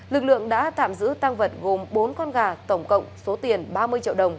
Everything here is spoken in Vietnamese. lực lượng đã tạm giữ tăng vật gồm bốn con gà tổng cộng số tiền ba mươi triệu đồng